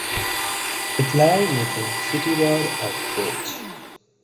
It lies within the City ward of Bridge.